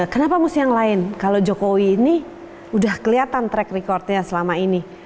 kenapa mesti yang lain kalau jokowi ini udah kelihatan track recordnya selama ini